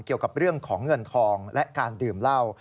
เกี่ยวกับเรื่องของเงินทองและการดื่มเหล้า